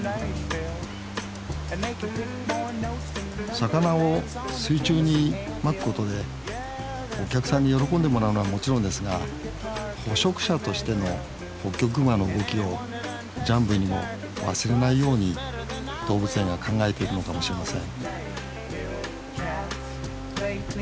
魚を水中にまくことでお客さんに喜んでもらうのはもちろんですが捕食者としてのホッキョクグマの動きをジャンブイにも忘れないように動物園が考えているのかもしれません